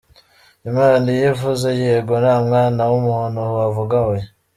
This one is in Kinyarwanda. Imana iyo ivuze Yego, nta mwana w'umuntu wavuga Oya.